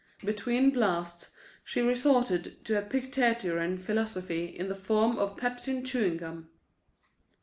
Between blasts she resorted to Epictetian philosophy in the form of pepsin chewing gum.